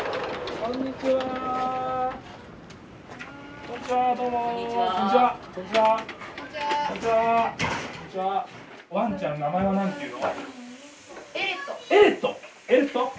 こんにちは。